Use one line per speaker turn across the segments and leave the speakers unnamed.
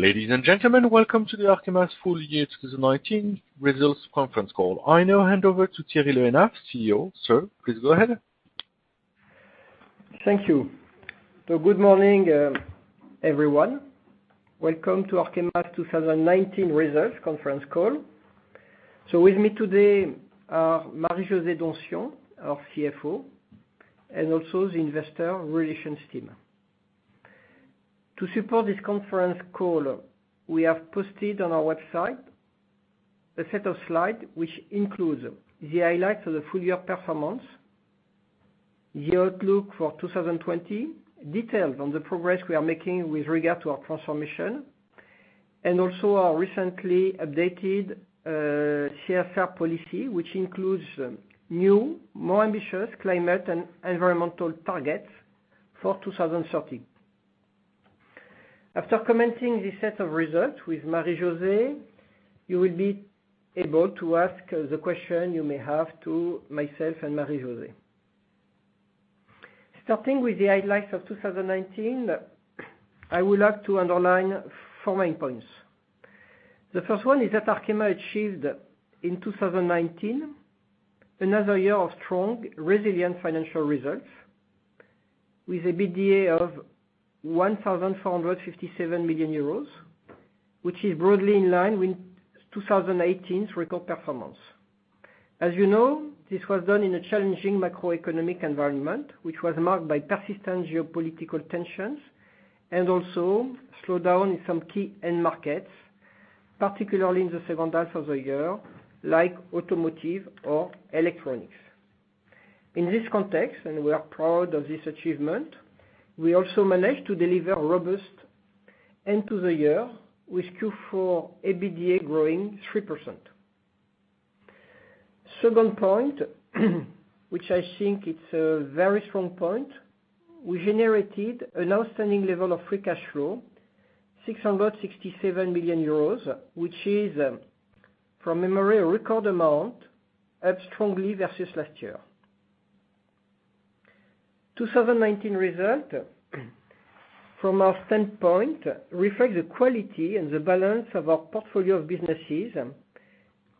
Ladies and gentlemen, welcome to the Arkema's full year 2019 results conference call. I now hand over to Thierry Le Hénaff, CEO. Sir, please go ahead.
Thank you. Good morning, everyone. Welcome to Arkema's 2019 results conference call. With me today are Marie-José Donsion, our CFO, and also the investor relations team. To support this conference call, we have posted on our website a set of slides which includes the highlights of the full year performance, year outlook for 2020, details on the progress we are making with regard to our transformation, and also our recently updated CSR policy, which includes new, more ambitious climate and environmental targets for 2030. After commenting this set of results with Marie-José, you will be able to ask the question you may have to myself and Marie-José. Starting with the highlights of 2019, I would like to underline four main points. The first one is that Arkema achieved, in 2019, another year of strong, resilient financial results with a EBITDA of 1,457 million euros, which is broadly in line with 2018's record performance. As you know, this was done in a challenging macroeconomic environment, which was marked by persistent geopolitical tensions and also slowdown in some key end markets, particularly in the second half of the year, like automotive or electronics. In this context, and we are proud of this achievement, we also managed to deliver robust end to the year with Q4 EBITDA growing 3%. Second point, which I think it's a very strong point. We generated an outstanding level of free cash flow, 667 million euros, which is, from memory, a record amount, up strongly versus last year. 2019 result, from our standpoint, reflects the quality and the balance of our portfolio of businesses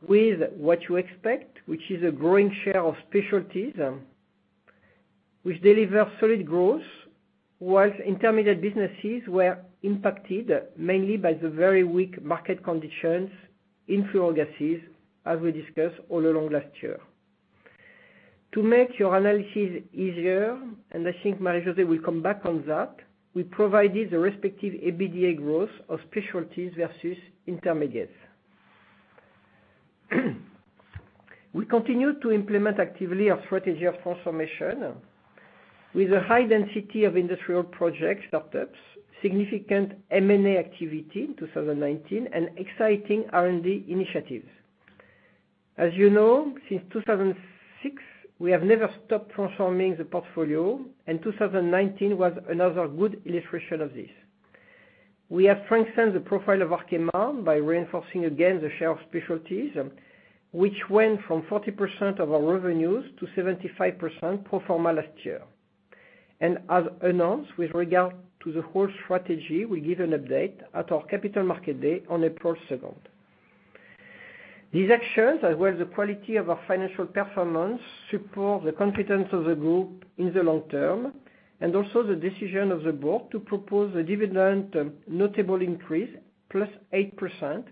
with what you expect, which is a growing share of specialties, which deliver solid growth, whilst intermediate businesses were impacted mainly by the very weak market conditions in fluorogases, as we discussed all along last year. To make your analysis easier, and I think Marie-José will come back on that, we provided the respective EBITDA growth of specialties versus intermediates. We continue to implement actively our strategy of transformation with a high density of industrial project startups, significant M&A activity in 2019, and exciting R&D initiatives. As you know, since 2006, we have never stopped transforming the portfolio. 2019 was another good illustration of this. We have strengthened the profile of Arkema by reinforcing again the share of specialties, which went from 40% of our revenues to 75% pro forma last year. As announced with regard to the whole strategy, we give an update at our Capital Markets Day on April 2nd. These actions, as well as the quality of our financial performance, support the confidence of the group in the long term, and also the decision of the board to propose a dividend notable increase, plus 8%,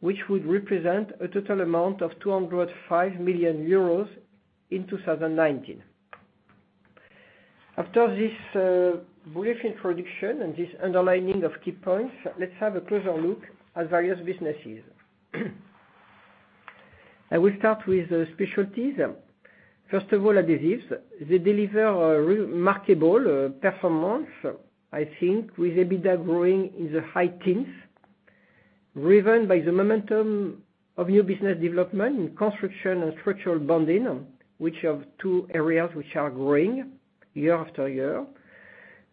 which would represent a total amount of 205 million euros in 2019. After this brief introduction and this underlining of key points, let's have a closer look at various businesses. I will start with Specialties. First of all, Adhesives. They deliver a remarkable performance, I think, with EBITDA growing in the high teens, driven by the momentum of new business development in construction and structural bonding, which are two areas which are growing year after year.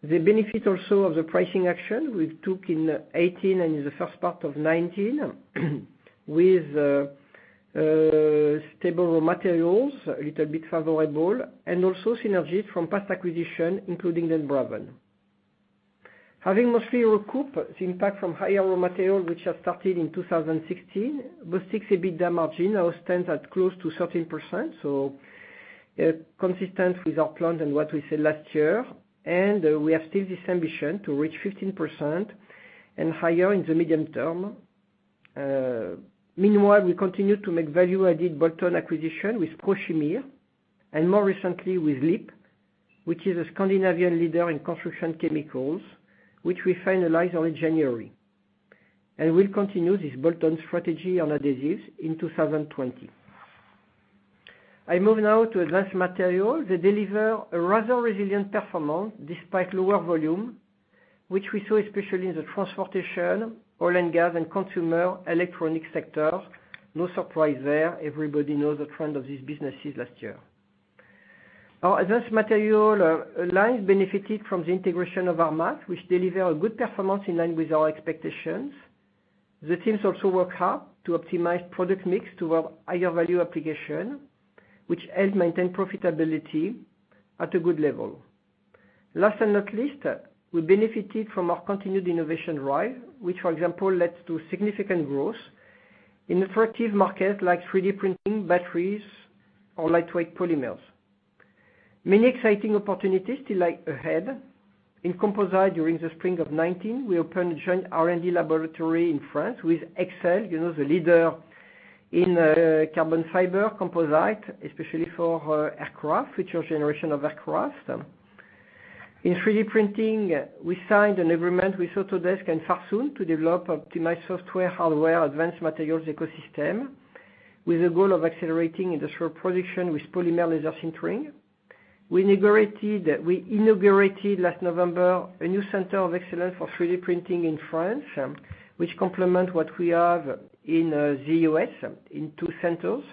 The benefit also of the pricing action we took in 2018 and in the first part of 2019 with stable raw materials, a little bit favorable, and also synergies from past acquisition, including Den Braven. Having mostly recouped the impact from higher raw material, which has started in 2016, EBITDA margin now stands at close to 13%. Consistent with our plans and what we said last year. We have still this ambition to reach 15% and higher in the medium term. Meanwhile, we continue to make value-added bolt-on acquisition with Prochimir, and more recently with LIP, which is a Scandinavian leader in construction chemicals, which we finalized early January. We'll continue this bolt-on strategy on adhesives in 2020. I move now to Advanced Materials. They deliver a rather resilient performance despite lower volume, which we saw especially in the transportation, oil and gas, and consumer electronic sectors. No surprise there. Everybody knows the trend of these businesses last year. Our advanced material line benefited from the integration of ArrMaz, which delivered a good performance in line with our expectations. The teams also work hard to optimize product mix toward higher value application, which helps maintain profitability at a good level. Last and not least, we benefited from our continued innovation drive, which, for example, led to significant growth in attractive markets like 3D printing, batteries, or lightweight polymers. Many exciting opportunities still lie ahead. In composite, during the spring of 2019, we opened a joint R&D laboratory in France with Hexcel, the leader in carbon fiber composite, especially for future generation of aircraft. In 3D printing, we signed an agreement with Autodesk and Farsoon to develop optimized software, hardware, advanced materials ecosystem with the goal of accelerating industrial production with polymer laser sintering. We inaugurated last November a new center of excellence for 3D printing in France, which complement what we have in the U.S. in two centers.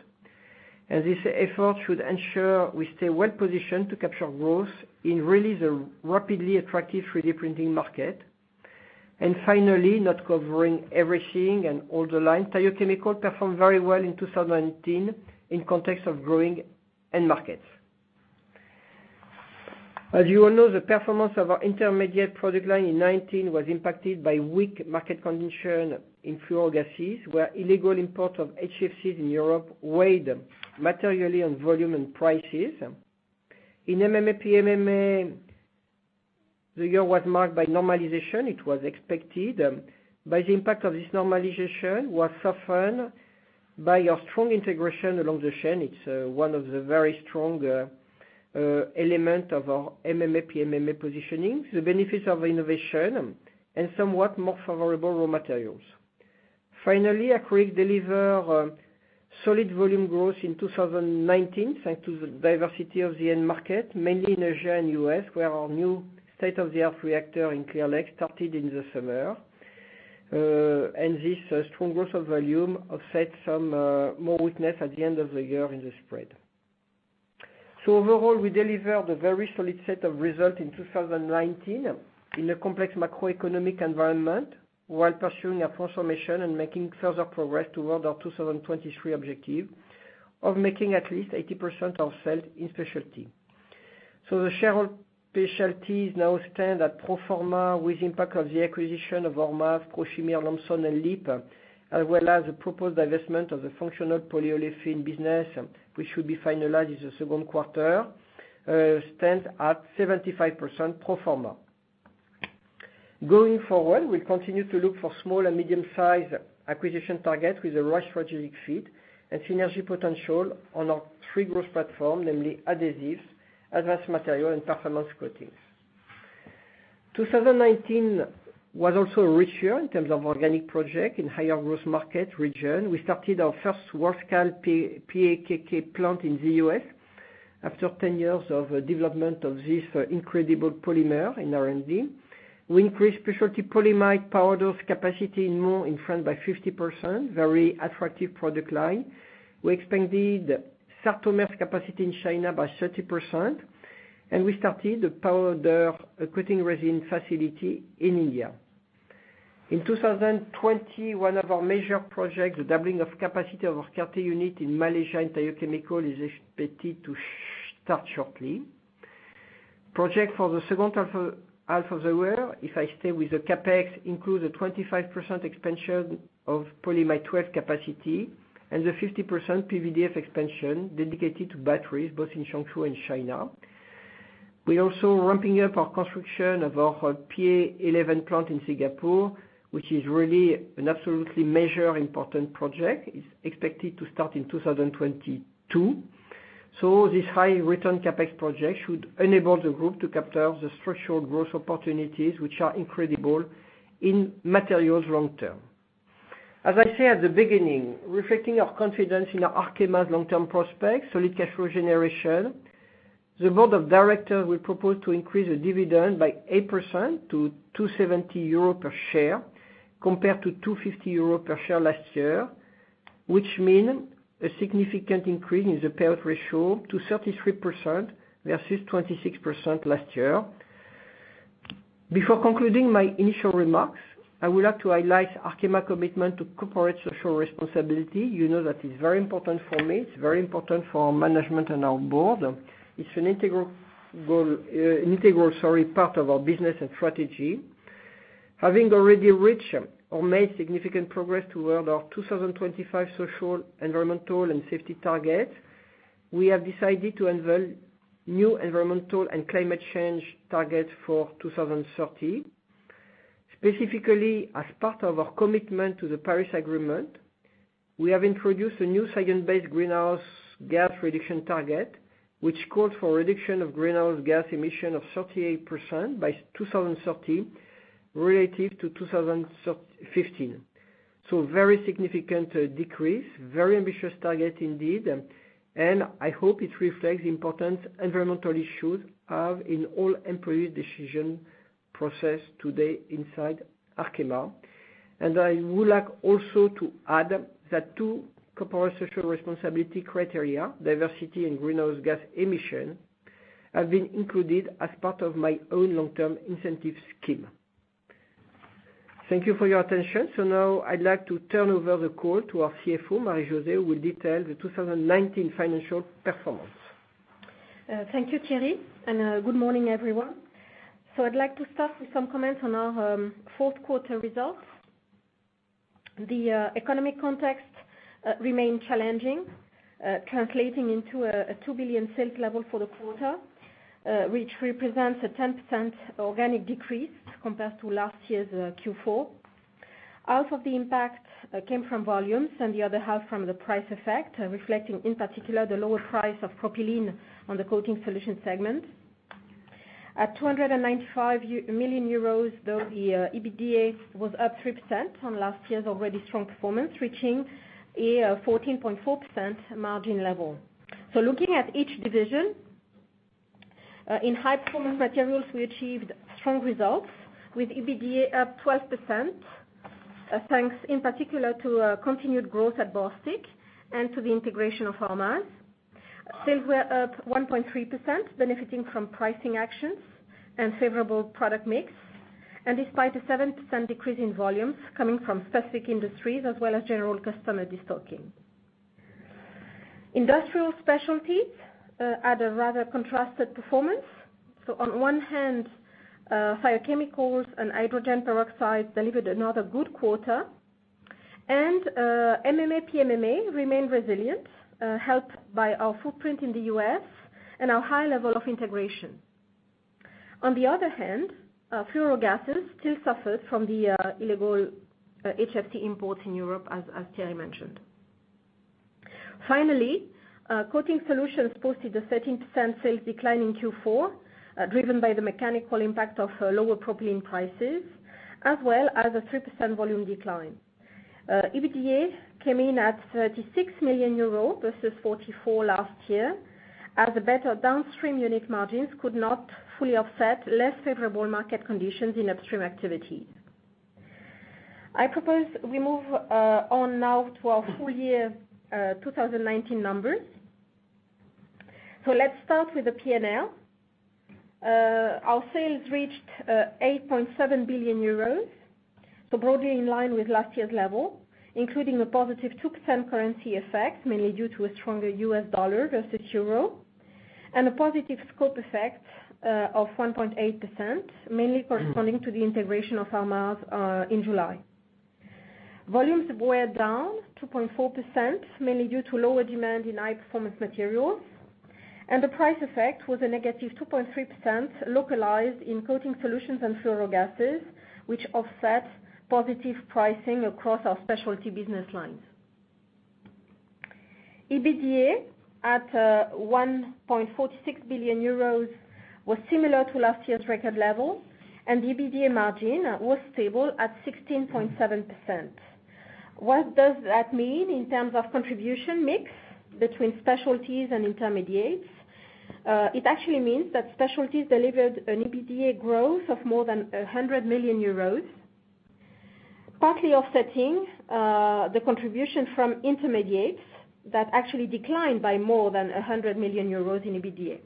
This effort should ensure we stay well positioned to capture growth in really the rapidly attractive 3D printing market. Finally, not covering everything and all the lines, Thiochemicals performed very well in 2019 in context of growing end markets. As you all know, the performance of our intermediate product line in 2019 was impacted by weak market condition in fluorogases, where illegal import of HFCs in Europe weighed materially on volume and prices. In MMA/PMMA, the year was marked by normalization. It was expected. The impact of this normalization was softened by our strong integration along the chain. It's one of the very strong element of our MMA/PMMA positioning, the benefits of innovation and somewhat more favorable raw materials. Finally, Acrylic deliver solid volume growth in 2019, thanks to the diversity of the end market, mainly in Asia and U.S., where our new state-of-the-art reactor in Clear Lake started in the summer. This strong growth of volume offset some more weakness at the end of the year in the spread. Overall, we delivered a very solid set of results in 2019 in a complex macroeconomic environment while pursuing our transformation and making further progress toward our 2023 objective of making at least 80% of sales in specialty. The share of specialties now stand at pro forma with impact of the acquisition of ArrMaz, Prochimir, Lambson, and LIP, as well as the proposed divestment of the functional polyolefins business, which should be finalized in the second quarter, stands at 75% pro forma. Going forward, we'll continue to look for small and medium-sized acquisition targets with the right strategic fit and synergy potential on our three growth platforms, namely adhesives, advanced material, and performance coatings. 2019 was also a rich year in terms of organic project in higher growth market region. We started our first large-scale PEKK plant in the U.S. after 10 years of development of this incredible polymer in R&D. We increased specialty polyimide powders capacity in Mont, in France, by 50%. Very attractive product line. We expanded Sartomer's capacity in China by 30%, and we started a powder coating resin facility in India. In 2021, our major project, the doubling of capacity of our Kerteh unit in Malaysia and Thiochemicals, is expected to start shortly. Project for the second half of the year, if I stay with the CapEx, includes a 25% expansion of Polyamide 12 capacity and the 50% PVDF expansion dedicated to batteries both in Changshu and China. We're also ramping up our construction of our PA11 plant in Singapore, which is really an absolutely major important project. It's expected to start in 2022. This high return CapEx project should enable the group to capture the structural growth opportunities, which are incredible in materials long term. As I said at the beginning, reflecting our confidence in Arkema's long-term prospects, solid cash flow generation, the board of directors will propose to increase the dividend by 8% to 2.70 euro per share, compared to 2.50 euro per share last year, which mean a significant increase in the payout ratio to 33% versus 26% last year. Before concluding my initial remarks, I would like to highlight Arkema commitment to corporate social responsibility. You know that is very important for me. It's very important for our management and our board. It's an integral part of our business and strategy. Having already reached or made significant progress toward our 2025 social, environmental, and safety targets, we have decided to unveil new environmental and climate change targets for 2030. Specifically, as part of our commitment to the Paris Agreement, we have introduced a new science-based greenhouse gas reduction target, which calls for reduction of greenhouse gas emission of 38% by 2030, relative to 2015. Very significant decrease, very ambitious target indeed. I hope it reflects the importance environmental issues have in all employee decision process today inside Arkema. I would like also to add that two corporate social responsibility criteria, diversity and greenhouse gas emission have been included as part of my own long-term incentive scheme. Thank you for your attention. Now I'd like to turn over the call to our CFO, Marie-José, who will detail the 2019 financial performance.
Thank you, Thierry. Good morning, everyone. I'd like to start with some comments on our fourth quarter results. The economic context remained challenging, translating into a 2 billion sales level for the quarter, which represents a 10% organic decrease compared to last year's Q4. Half of the impact came from volumes, and the other half from the price effect, reflecting in particular, the lower price of propylene on the Coating Solutions segment. At 295 million euros, though, the EBITDA was up 3% from last year's already strong performance, reaching a 14.4% margin level. Looking at each division, in High Performance Materials we achieved strong results with EBITDA up 12%, thanks in particular to continued growth at Bostik and to the integration of ArrMaz. Sales were up 1.3%, benefiting from pricing actions and favorable product mix, despite a 7% decrease in volumes coming from specific industries as well as general customer destocking. Industrial Specialties had a rather contrasted performance. On one hand, Thiochemicals and hydrogen peroxide delivered another good quarter, and MMA/PMMA remained resilient, helped by our footprint in the U.S. and our high level of integration. On the other hand, fluorogases still suffered from the illegal HFC imports in Europe, as Thierry mentioned. Finally, Coating Solutions posted a 13% sales decline in Q4, driven by the mechanical impact of lower propylene prices as well as a 3% volume decline. EBITDA came in at 36 million euro versus 44 million last year, as a better downstream unit margins could not fully offset less favorable market conditions in upstream activities. I propose we move on now to our full year 2019 numbers. Let's start with the P&L. Our sales reached 8.7 billion euros, broadly in line with last year's level, including a positive 2% currency effect, mainly due to a stronger U.S. dollar versus euro, and a positive scope effect of 1.8%, mainly corresponding to the integration of ArrMaz in July. Volumes were down 2.4%, mainly due to lower demand in High Performance Materials, the price effect was a negative 2.3% localized in Coating Solutions and Fluorogases, which offset positive pricing across our specialty business lines. EBITDA at 1.46 billion euros was similar to last year's record level, the EBITDA margin was stable at 16.7%. What does that mean in terms of contribution mix between specialties and intermediates? It actually means that specialties delivered an EBITDA growth of more than 100 million euros, partly offsetting the contribution from intermediates that actually declined by more than 100 million euros in EBITDA.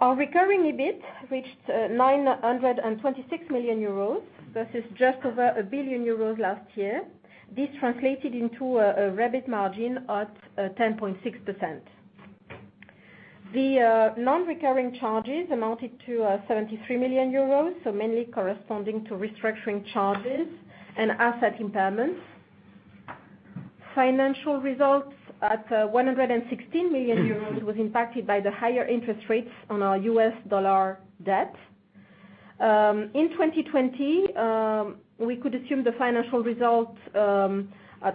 Our recurring EBIT reached 926 million euros versus just over 1 billion euros last year. This translated into a REBIT margin at 10.6%. The non-recurring charges amounted to 73 million euros, so mainly corresponding to restructuring charges and asset impairments. Financial results at 116 million euros was impacted by the higher interest rates on our U.S. dollar debt. In 2020, we could assume the financial result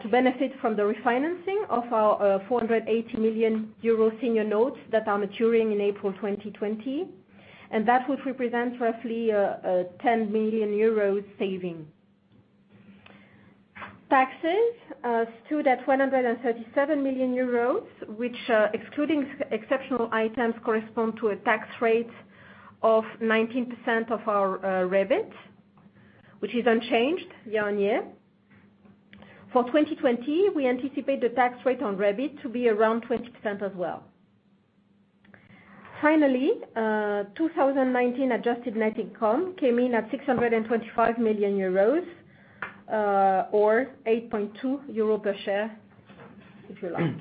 to benefit from the refinancing of our 480 million euro senior notes that are maturing in April 2020, and that would represent roughly a 10 million euros saving. Taxes stood at 137 million euros, which, excluding exceptional items, correspond to a tax rate of 19% of our REBIT, which is unchanged year-over-year. For 2020, we anticipate the tax rate on REBIT to be around 20% as well. Finally, 2019 adjusted net income came in at 625 million euros, or 8.2 euro per share, if you like.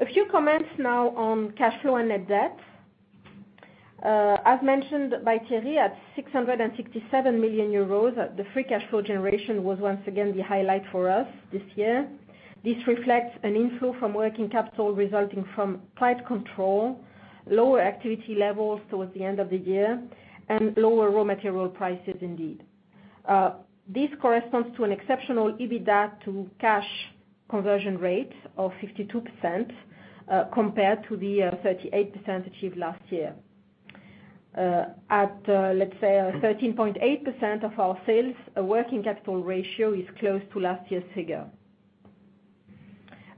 A few comments now on cash flow and net debt. As mentioned by Thierry, at 667 million euros, the free cash flow generation was once again the highlight for us this year. This reflects an inflow from working capital resulting from tight control, lower activity levels towards the end of the year, and lower raw material prices indeed. This corresponds to an exceptional EBITDA to cash conversion rate of 52% compared to the 38% achieved last year. At, let's say, 13.8% of our sales, working capital ratio is close to last year's figure.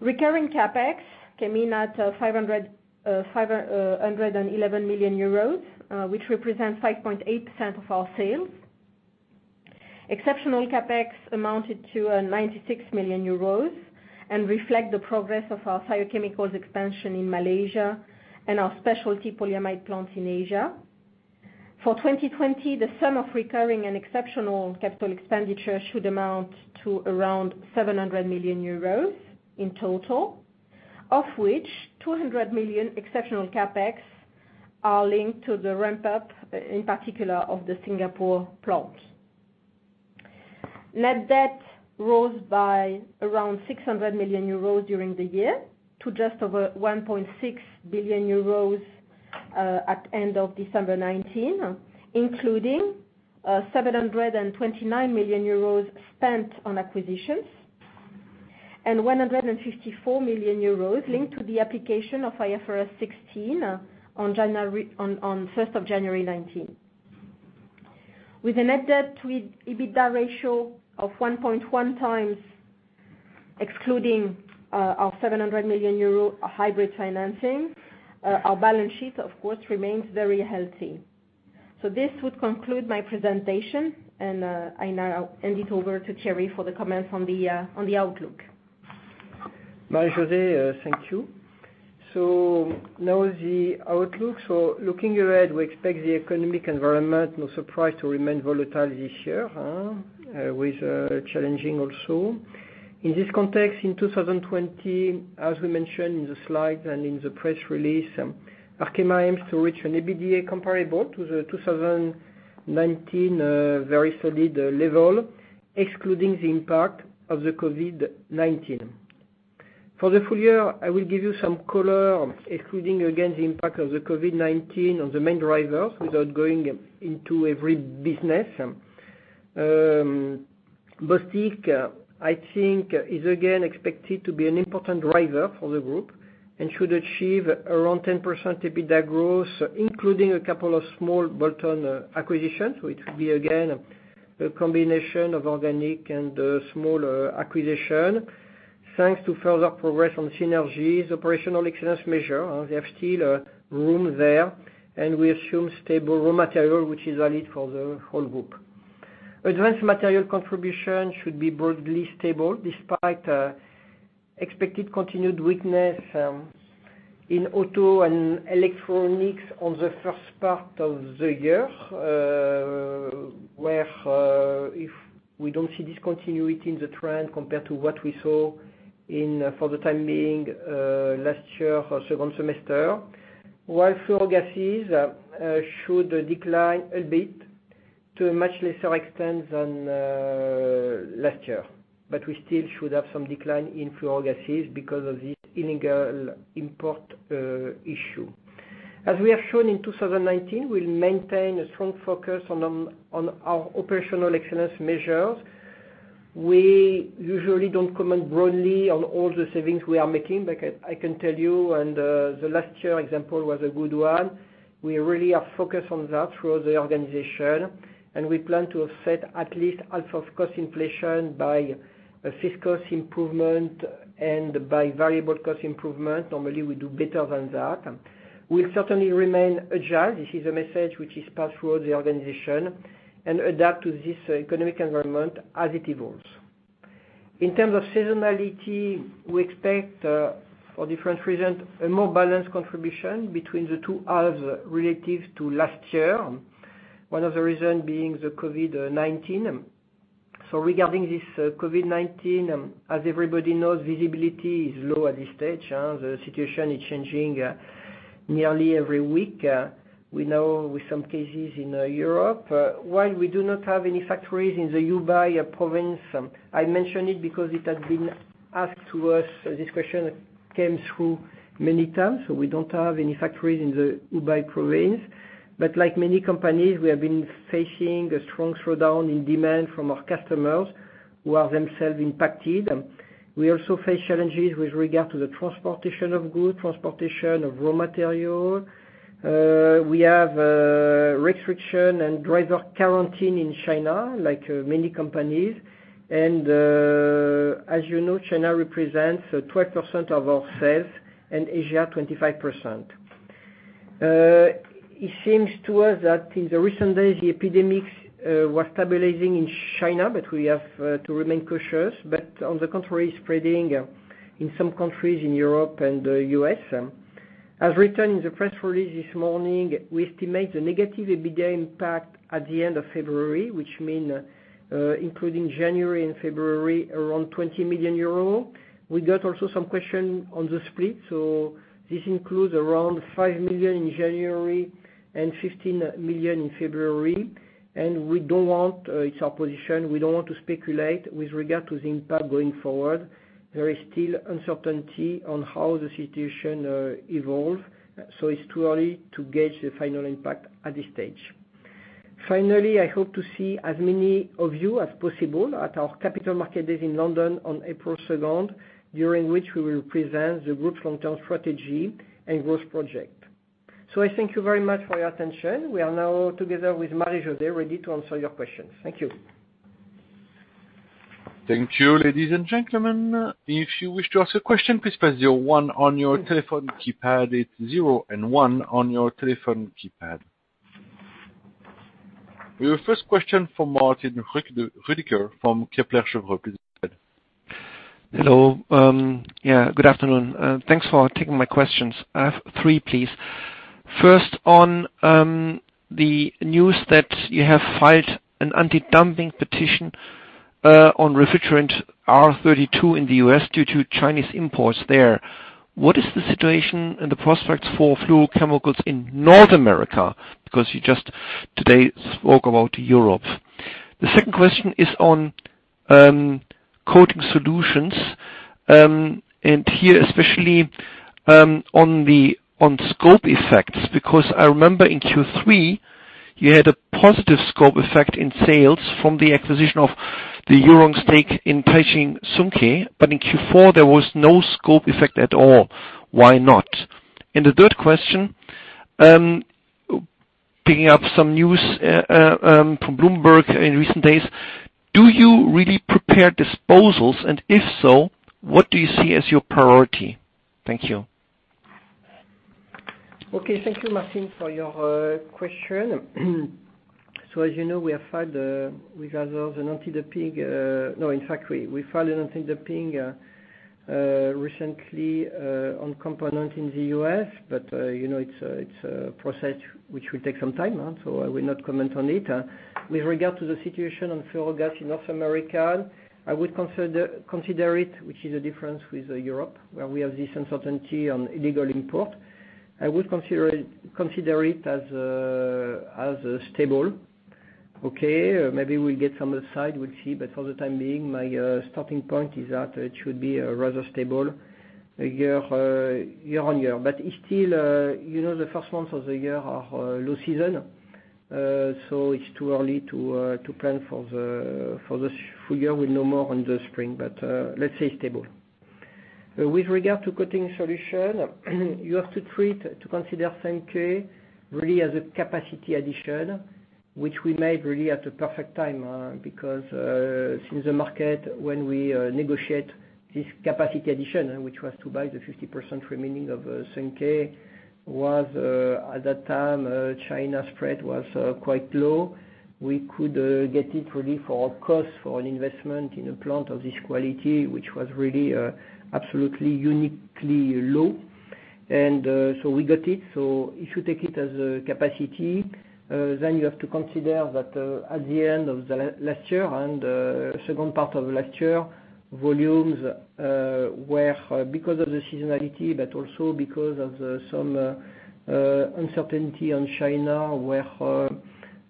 Recurring CapEx came in at 511 million euros, which represents 5.8% of our sales. Exceptional CapEx amounted to 96 million euros and reflect the progress of our Thiochemicals expansion in Malaysia and our specialty polyamide plant in Asia. For 2020, the sum of recurring and exceptional capital expenditure should amount to around 700 million euros in total, of which 200 million exceptional CapEx are linked to the ramp-up, in particular, of the Singapore plant. Net debt rose by around 600 million euros during the year to just over 1.6 billion euros at end of December 2019, including 729 million euros spent on acquisitions and 154 million euros linked to the application of IFRS 16 on 1st of January 2019. With a net debt to EBITDA ratio of 1.1x excluding our 700 million euro hybrid financing, our balance sheet, of course, remains very healthy. This would conclude my presentation, and I now hand it over to Thierry for the comments on the outlook.
Marie-José, thank you. Now the outlook. Looking ahead, we expect the economic environment, no surprise, to remain volatile this year, with challenging also. In this context, in 2020, as we mentioned in the slides and in the press release, Arkema aims to reach an EBITDA comparable to the 2019 very solid level, excluding the impact of the COVID-19. For the full year, I will give you some color, excluding again the impact of the COVID-19 on the main drivers, without going into every business. Bostik, I think is again expected to be an important driver for the group and should achieve around 10% EBITDA growth, including a couple of small bolt-on acquisitions, which will be, again, a combination of organic and small acquisition. Thanks to further progress on synergies, operational excellence measure, there's still room there. We assume stable raw material, which is a lead for the whole group. Advanced Materials contribution should be broadly stable despite expected continued weakness in auto and electronics on the first part of the year, where if we don't see discontinuity in the trend compared to what we saw for the time being last year or second semester, while fluorogases should decline a bit to a much lesser extent than last year. We still should have some decline in fluorogases because of this illegal import issue. As we have shown in 2019, we'll maintain a strong focus on our operational excellence measures. We usually don't comment broadly on all the savings we are making, but I can tell you, and the last year example was a good one, we really are focused on that through the organization, and we plan to offset at least half of cost inflation by fixed cost improvement and by variable cost improvement. Normally, we do better than that. We'll certainly remain agile. This is a message which is passed through the organization and adapt to this economic environment as it evolves. In terms of seasonality, we expect, for different reasons, a more balanced contribution between the two halves relative to last year. One of the reason being the COVID-19. Regarding this COVID-19, as everybody knows, visibility is low at this stage. The situation is changing nearly every week. We know with some cases in Europe. While we do not have any factories in the Hubei province, I mention it because it has been asked to us, this question came through many times. We don't have any factories in the Hubei province. Like many companies, we have been facing a strong slowdown in demand from our customers who are themselves impacted. We also face challenges with regard to the transportation of goods, transportation of raw material. We have restriction and driver quarantine in China, like many companies. As you know, China represents 12% of our sales and Asia 25%. It seems to us that in the recent days, the epidemic was stabilizing in China, but we have to remain cautious. On the contrary, spreading in some countries in Europe and the U.S. As written in the press release this morning, we estimate the negative EBITDA impact at the end of February, which mean including January and February, around 20 million euro. We got also some question on the split. This includes around 5 million in January and 15 million in February. It's our position, we don't want to speculate with regard to the impact going forward. There is still uncertainty on how the situation evolve. It's too early to gauge the final impact at this stage. Finally, I hope to see as many of you as possible at our Capital Markets Day in London on April 2nd, during which we will present the group's long-term strategy and growth project. I thank you very much for your attention. We are now together with Marie-José ready to answer your questions. Thank you.
Thank you, ladies and gentlemen. If you wish to ask a question, please press zero one on your telephone keypad. It's zero and one on your telephone keypad. We have first question from Martin Roediger from Kepler Cheuvreux. Please go ahead.
Hello. Good afternoon. Thanks for taking my questions. I have three, please. First, on the news that you have filed an anti-dumping petition on refrigerant R32 in the U.S. due to Chinese imports there. What is the situation and the prospects for fluorochemicals in North America? You just today spoke about Europe. The second question is on Coating Solutions. Here, especially, on scope effects, because I remember in Q3 you had a positive scope effect in sales from the acquisition of the Euron stake in Taixing Sunke. In Q4 there was no scope effect at all. Why not? The third question, picking up some news from Bloomberg in recent days, do you really prepare disposals? If so, what do you see as your priority? Thank you.
Okay. Thank you, Martin, for your question. As you know, we filed an anti-dumping recently on component in the U.S., it's a process which will take some time. I will not comment on it. With regard to the situation on fluorogas in North America, I would consider it, which is a difference with Europe, where we have this uncertainty on illegal import. I would consider it as stable. Okay, maybe we'll get some side, we'll see. For the time being, my starting point is that it should be rather stable year-on-year. It's still the first months of the year are low season, it's too early to plan for the full year. We'll know more on the spring. Let's say stable. With regard to Coating Solutions, you have to consider Sunke really as a capacity addition, which we made really at the perfect time because since the market, when we negotiate this capacity addition, which was to buy the 50% remaining of Sunke, was at that time China spread was quite low. We could get it really for a cost, for an investment in a plant of this quality, which was really absolutely uniquely low. We got it. If you take it as a capacity, then you have to consider that at the end of the last year and second part of last year, volumes were because of the seasonality, but also because of some uncertainty on China, were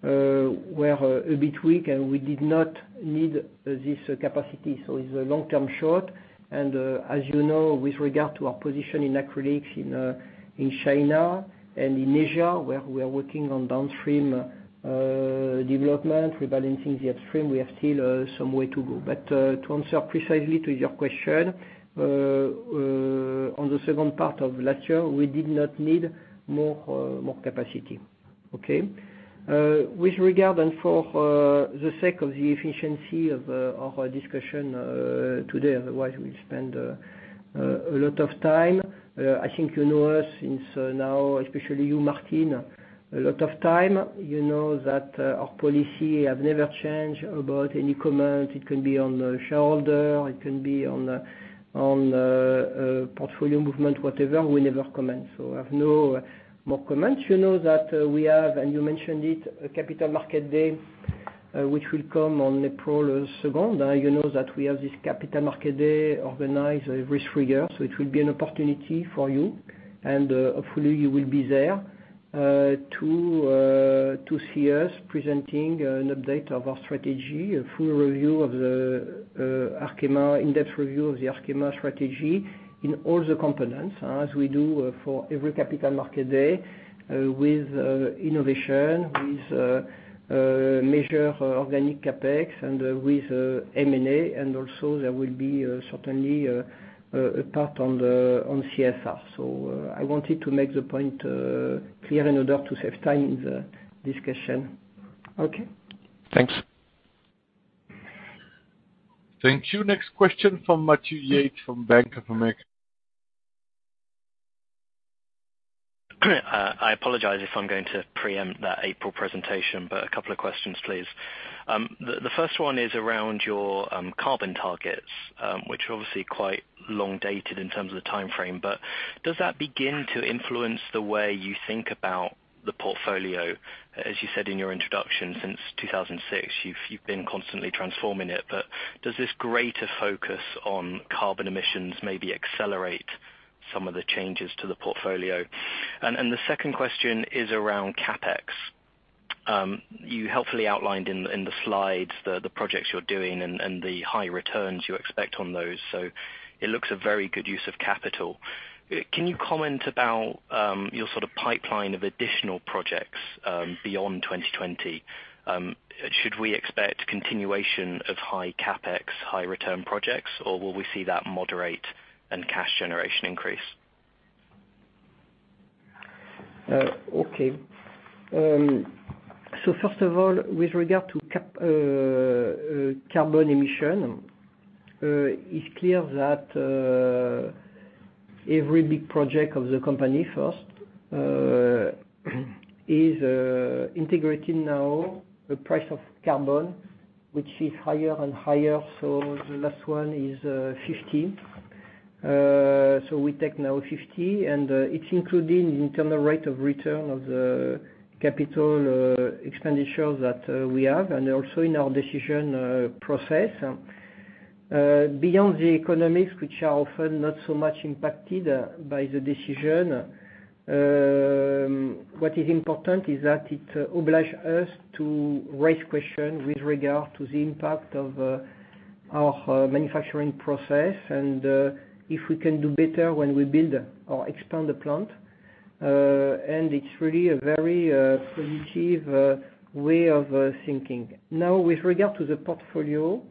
a bit weak, and we did not need this capacity. It's a long-term shot. As you know, with regard to our position in acrylics in China and in Asia, where we are working on downstream development, rebalancing the upstream, we have still some way to go. To answer precisely to your question, on the second part of last year, we did not need more capacity. Okay. With regard and for the sake of the efficiency of our discussion today, otherwise we'll spend a lot of time. I think you know us since now, especially you, Martin, a lot of time. You know that our policy have never changed about any comment. It can be on shareholder, it can be on portfolio movement, whatever, we never comment. I have no more comments. You know that we have, and you mentioned it, a Capital Markets Day, which will come on April 2nd. You know that we have this Capital Markets Day organized every three years. It will be an opportunity for you, and hopefully you will be there, to see us presenting an update of our strategy, a full in-depth review of the Arkema strategy in all the components, as we do for every Capital Markets Day with innovation, with major organic CapEx and with M&A. Also there will be certainly a part on CSR. I wanted to make the point clear in order to save time in the discussion. Okay.
Thanks.
Thank you. Next question from Matthew Yates from Bank of America.
I apologize if I'm going to preempt that April presentation, but a couple of questions, please. The first one is around your carbon targets, which are obviously quite long dated in terms of the timeframe. Does that begin to influence the way you think about the portfolio? As you said in your introduction, since 2006, you've been constantly transforming it. Does this greater focus on carbon emissions maybe accelerate some of the changes to the portfolio? The second question is around CapEx. You helpfully outlined in the slides the projects you're doing and the high returns you expect on those. It looks a very good use of capital. Can you comment about your sort of pipeline of additional projects beyond 2020? Should we expect continuation of high CapEx, high return projects, or will we see that moderate and cash generation increase?
Okay. First of all, with regard to carbon emission, it's clear that every big project of the company first, is integrating now the price of carbon, which is higher and higher. The last one is 50. We take now 50, and it's including the internal rate of return of the capital expenditures that we have, and also in our decision process. Beyond the economics, which are often not so much impacted by the decision, what is important is that it oblige us to raise question with regard to the impact of our manufacturing process and if we can do better when we build or expand a plant. It's really a very positive way of thinking. Now with regard to the portfolio,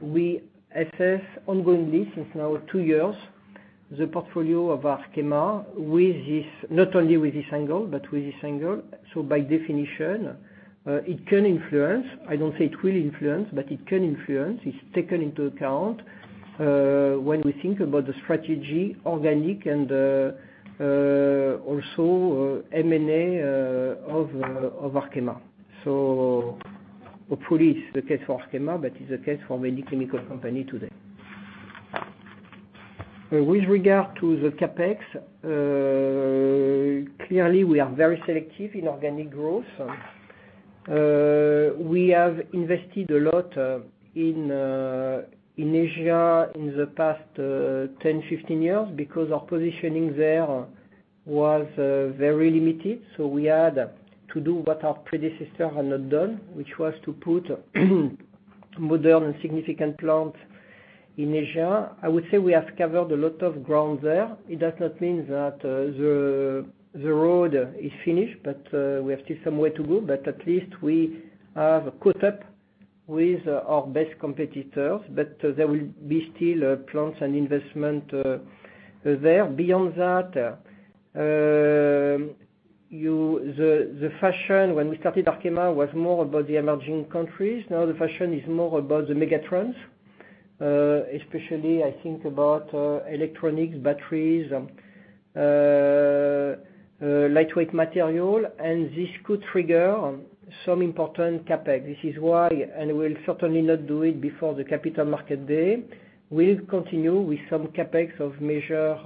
we assess ongoing list since now two years, the portfolio of Arkema, not only with this angle, but with this angle. By definition, it can influence. I don't say it will influence, but it can influence. It's taken into account when we think about the strategy organic and also M&A of Arkema. Hopefully it's the case for Arkema, but it's the case for many chemical company today. With regard to the CapEx, clearly we are very selective in organic growth. We have invested a lot in Asia in the past 10, 15 years because our positioning there was very limited. We had to do what our predecessor had not done, which was to put modern and significant plant in Asia. I would say we have covered a lot of ground there. It does not mean that the road is finished, but we have still some way to go. At least we have caught up with our best competitors. There will be still plants and investment there. Beyond that, the fashion when we started Arkema was more about the emerging countries. Now the fashion is more about the megatrends, especially I think about electronics, batteries, lightweight material, and this could trigger some important CapEx. This is why, and we'll certainly not do it before the Capital Markets Day. We'll continue with some CapEx of major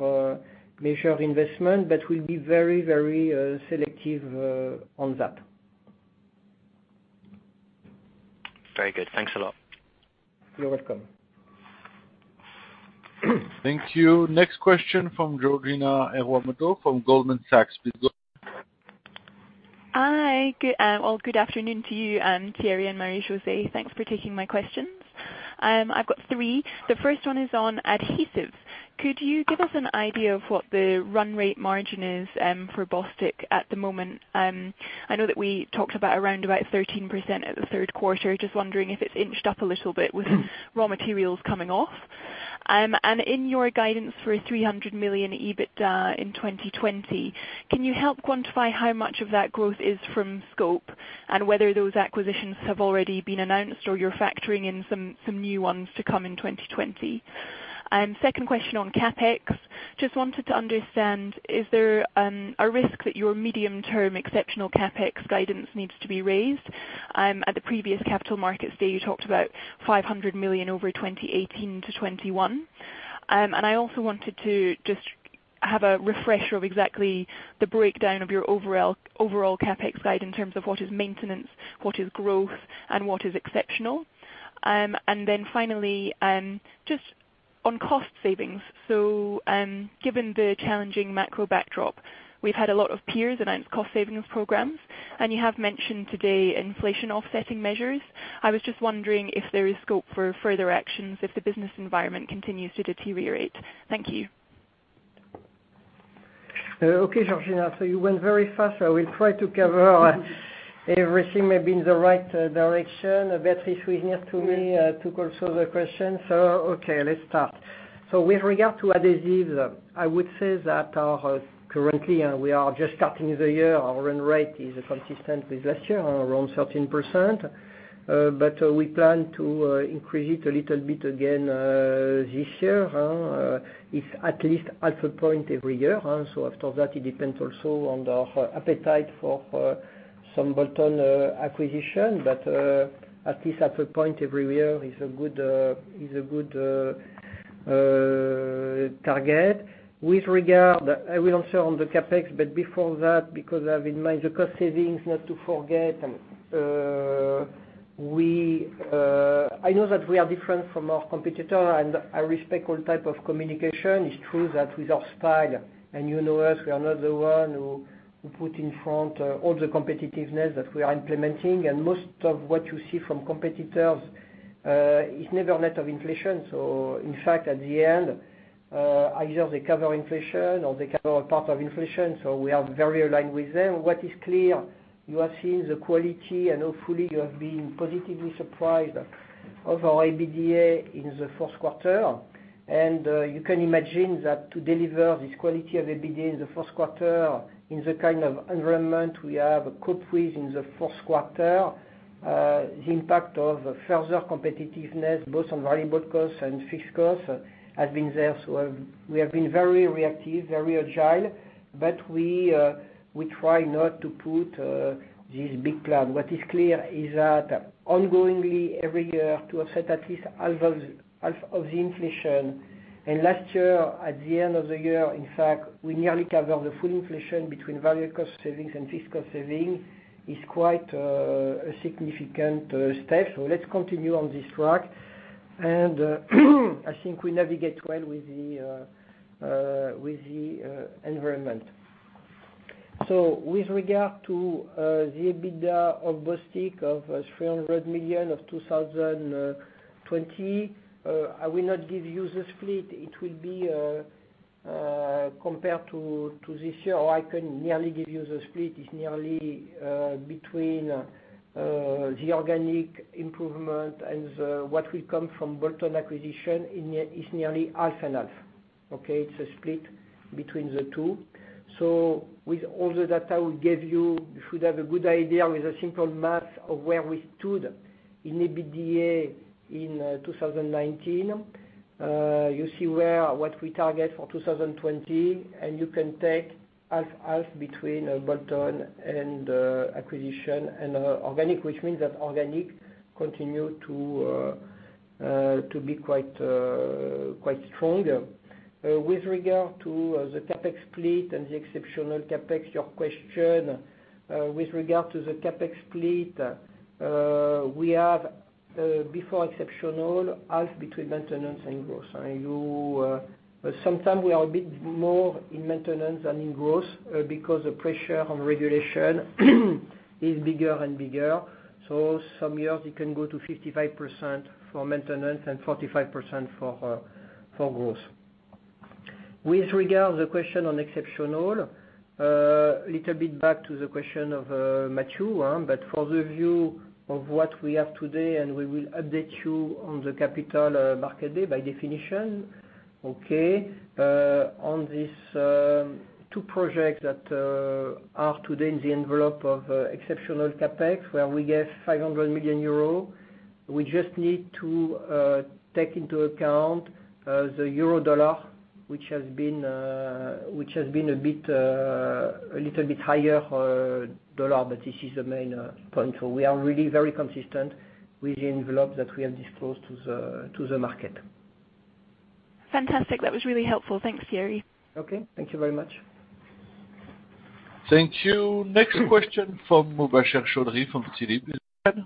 investment, but we'll be very selective on that.
Very good. Thanks a lot.
You're welcome.
Thank you. Next question from Georgina Fraser from Goldman Sachs. Please go ahead.
Hi. Good afternoon to you, Thierry and Marie-José. Thanks for taking my questions. I've got three. The first one is on adhesives. Could you give us an idea of what the run rate margin is for Bostik at the moment? I know that we talked about around about 13% at the third quarter. Just wondering if it's inched up a little bit with raw materials coming off. In your guidance for 300 million EBITDA in 2020, can you help quantify how much of that growth is from scope and whether those acquisitions have already been announced or you're factoring in some new ones to come in 2020? Second question on CapEx. Just wanted to understand, is there a risk that your medium term exceptional CapEx guidance needs to be raised? At the previous Capital Markets Day, you talked about 500 million over 2018-2021. I also wanted to just have a refresher of exactly the breakdown of your overall CapEx guide in terms of what is maintenance, what is growth, and what is exceptional. Then finally, just on cost savings. Given the challenging macro backdrop, we've had a lot of peers announce cost savings programs, and you have mentioned today inflation offsetting measures. I was just wondering if there is scope for further actions if the business environment continues to deteriorate. Thank you.
Okay, Georgina. You went very fast. I will try to cover everything maybe in the right direction. Béatrice is next to me to control the question. Okay, let's start. With regard to adhesives, I would say that currently we are just starting the year. Our run rate is consistent with last year, around 13%. We plan to increase it a little bit again this year, if at least half a point every year. After that, it depends also on our appetite for some bolt-on acquisition, but at least half a point every year is a good target. I will answer on the CapEx, before that, because I have in mind the cost savings not to forget. I know that we are different from our competitor and I respect all type of communication. It's true that with our style and you know us, we are not the one who put in front all the competitiveness that we are implementing. Most of what you see from competitors is never net of inflation. In fact, at the end, either they cover inflation or they cover a part of inflation. We are very aligned with them. What is clear, you have seen the quality and hopefully you have been positively surprised of our EBITDA in the fourth quarter. You can imagine that to deliver this quality of EBITDA in the first quarter, in the kind of environment we have faced in the fourth quarter, the impact of further competitiveness both on variable costs and fixed costs has been there. We have been very reactive, very agile, but we try not to put this big plan. What is clear is that ongoingly every year to offset at least half of the inflation. Last year, at the end of the year, in fact, we nearly cover the full inflation between value cost savings and fixed cost saving is quite a significant step. Let's continue on this track. I think we navigate well with the environment. With regard to the EBITDA of Bostik of 300 million of 2020, I will not give you the split. It will be compared to this year, or I can nearly give you the split, is nearly between the organic improvement and what will come from Bolton acquisition is nearly half and half. Okay? It's a split between the two. With all the data I will give you should have a good idea with a simple math of where we stood in EBITDA in 2019. You see what we target for 2020. You can take half-half between Bostik and acquisition and organic, which means that organic continue to be quite strong. With regard to the CapEx split and the exceptional CapEx, your question with regard to the CapEx split, we have before exceptional, half between maintenance and growth. Sometime we are a bit more in maintenance than in growth because the pressure on regulation is bigger and bigger. Some years you can go to 55% for maintenance and 45% for growth. With regard the question on exceptional, little bit back to the question of Matthew, for the view of what we have today. We will update you on the Capital Markets Day by definition. Okay? On these two projects that are today in the envelope of exceptional CapEx, where we get 500 million euro, we just need to take into account the euro-dollar, which has been a little bit higher dollar, but this is the main point. We are really very consistent with the envelope that we have disclosed to the market.
Fantastic. That was really helpful. Thanks, Thierry.
Okay. Thank you very much.
Thank you. Next question from Mubasher Chaudhry from Citi. Please go ahead.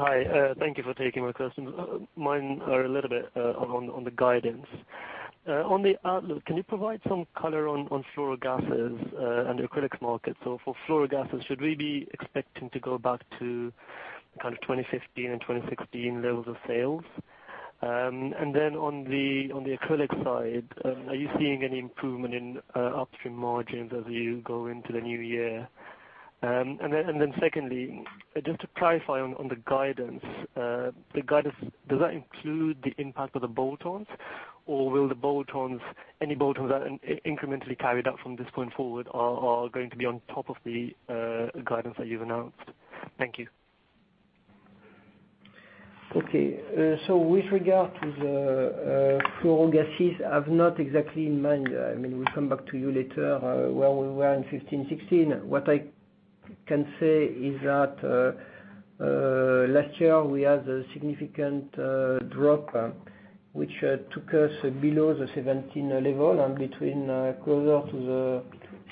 Hi. Thank you for taking my questions. Mine are a little bit on the guidance. On the outlook, can you provide some color on fluorogases and acrylics markets? For fluorogases, should we be expecting to go back to kind of 2015 and 2016 levels of sales? On the acrylic side, are you seeing any improvement in upstream margins as you go into the new year? Secondly, just to clarify on the guidance, does that include the impact of the bolt-ons, or will any bolt-ons that are incrementally carried out from this point forward are going to be on top of the guidance that you've announced? Thank you.
Okay. With regard to the fluorogases, I've not exactly in mind. We come back to you later where we were in 2015, 2016. What I can say is that last year we had a significant drop, which took us below the 2017 level and between closer to the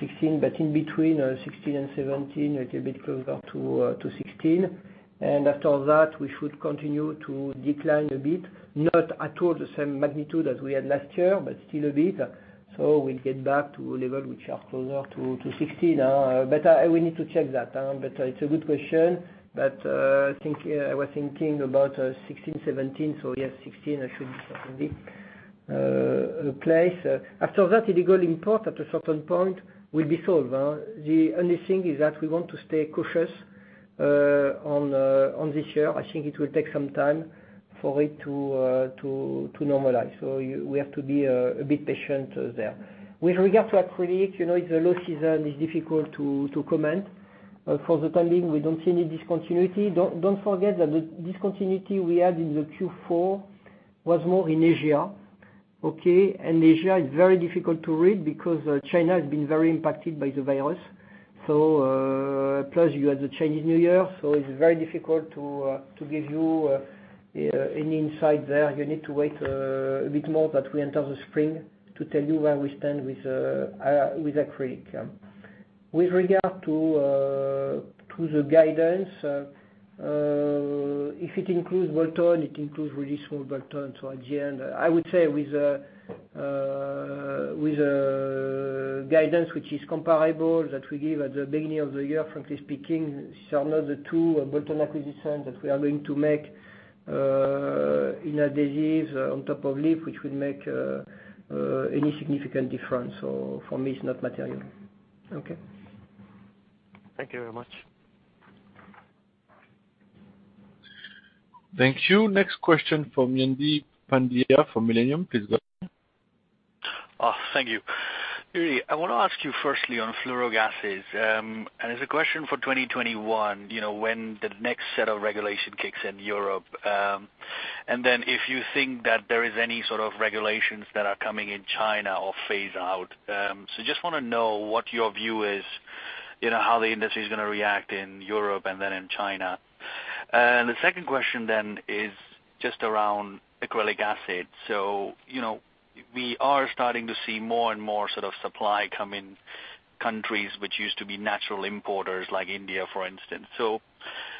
2016, but in between 2016 and 2017, a little bit closer to 2016. After that, we should continue to decline a bit, not at all the same magnitude as we had last year, but still a bit. We'll get back to a level which are closer to 2016. We need to check that. It's a good question. I was thinking about 2016, 2017, so yes, 2016 should be certainly the place. After that, illegal import at a certain point will be solved. The only thing is that we want to stay cautious on this year. I think it will take some time for it to normalize, so we have to be a bit patient there. With regard to acrylic, it's a low season, it's difficult to comment. For the time being, we don't see any discontinuity. Don't forget that the discontinuity we had in the Q4 was more in Asia. Okay. Asia is very difficult to read because China has been very impacted by the virus. Plus you have the Chinese New Year, so it's very difficult to give you any insight there. You need to wait a bit more that we enter the spring to tell you where we stand with acrylic. With regard to the guidance, if it includes Bolton, it includes release from Bolton. At the end, I would say with the guidance, which is comparable that we give at the beginning of the year, frankly speaking, it's another two bolt-on acquisition that we are going to make in adhesives on top of LIP, which will make any significant difference. For me, it's not material. Okay.
Thank you very much.
Thank you. Next question from Jaideep Pandya from Millennium. Please go ahead.
Thank you. Thierry, I want to ask you firstly on fluorogases. It's a question for 2021, when the next set of regulation kicks in Europe. If you think that there is any sort of regulations that are coming in China or phase out. Just want to know what your view is, how the industry's going to react in Europe and then in China. The second question is just around acrylic acid. We are starting to see more and more supply come in countries which used to be natural importers, like India, for instance.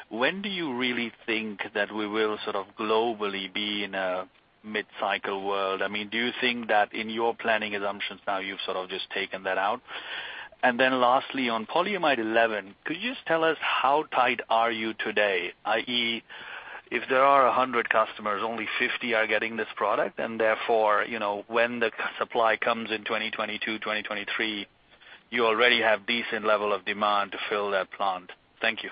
When do you really think that we will globally be in a mid-cycle world? Do you think that in your planning assumptions now you've just taken that out? Lastly, on Polyamide 11, could you just tell us how tight are you today, i.e., if there are 100 customers, only 50 are getting this product and therefore, when the supply comes in 2022, 2023, you already have decent level of demand to fill that plant. Thank you.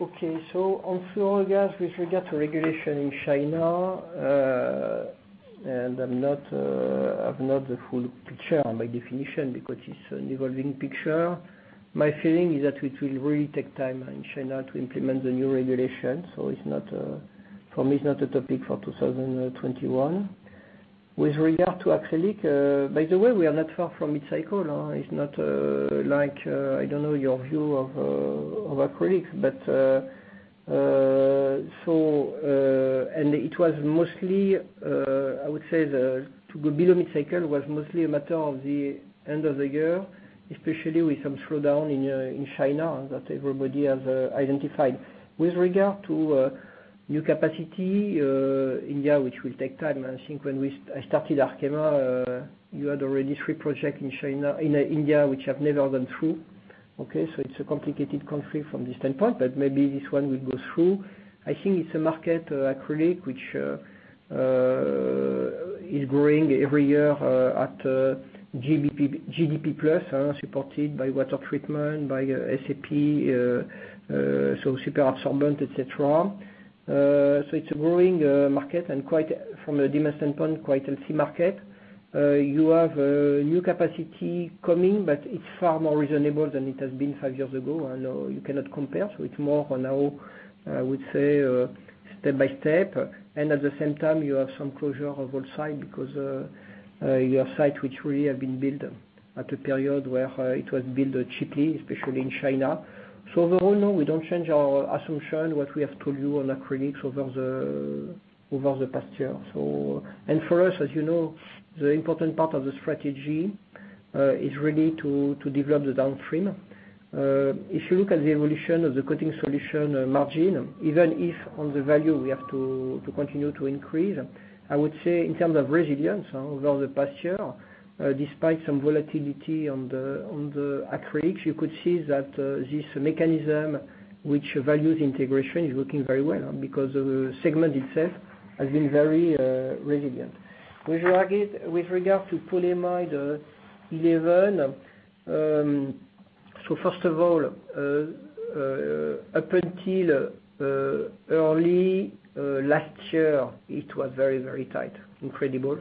On fluorogas, with regard to regulation in China, I've not the full picture on my definition because it's an evolving picture. My feeling is that it will really take time in China to implement the new regulation. For me, it's not a topic for 2021. With regard to acrylic, by the way, we are not far from mid-cycle. It's not like, I don't know your view of acrylic, and it was mostly, I would say the mid-cycle was mostly a matter of the end of the year, especially with some slowdown in China that everybody has identified. With regard to new capacity, India, which will take time. I think when I started Arkema, you had already three project in India which have never gone through. It's a complicated country from this standpoint, but maybe this one will go through. I think it's a market acrylic, which is growing every year at GDP plus, supported by water treatment, by SAP, so superabsorbent, et cetera. It's a growing market and from a demand standpoint, quite healthy market. You have new capacity coming, but it's far more reasonable than it has been five years ago. I know you cannot compare, so it's more for now, I would say, step by step. At the same time, you have some closure of old site because your site which really have been built at a period where it was built cheaply, especially in China. Overall, no, we don't change our assumption what we have told you on acrylics over the past year. For us, as you know, the important part of the strategy is really to develop the downstream. If you look at the evolution of the Coating Solutions margin, even if on the value we have to continue to increase, I would say in terms of resilience over the past year, despite some volatility on the acrylics, you could see that this mechanism, which values integration, is working very well because the segment itself has been very resilient. With regard to Polyamide 11, first of all, up until early last year, it was very tight. Incredible.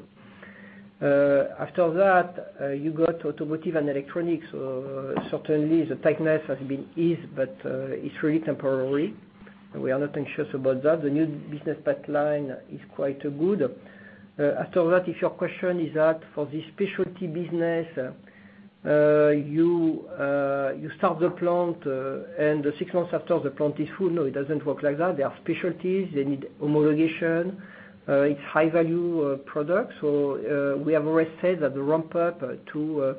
After that, you got automotive and electronics. Certainly, the tightness has been eased, but it's really temporary. We are not anxious about that. The new business pipeline is quite good. After that, if your question is that for the specialty business, you start the plant and the six months after the plant is full, no, it doesn't work like that. They are specialties. They need homologation. It's high-value product. We have already said that the ramp up to